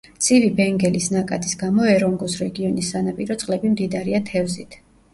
ცივი ბენგელის ნაკადის გამო ერონგოს რეგიონის სანაპირო წყლები მდიდარია თევზით.